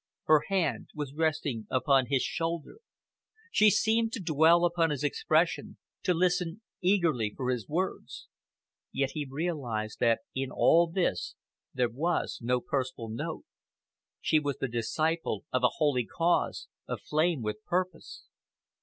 Her hand was resting upon his shoulder. She seemed to dwell upon his expression, to listen eagerly for his words. Yet he realised that in all this there was no personal note. She was the disciple of a holy cause, aflame with purpose.